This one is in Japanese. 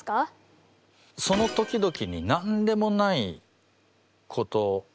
その時々に何でもないこと。